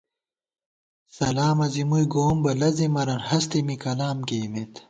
سلامہ زی مُوئی گووُم بہ، لزېمَرَن ہستے می کلام کېئیمېت